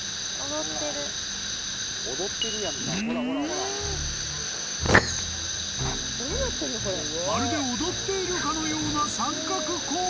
［まるで踊っているかのような三角コーン！？］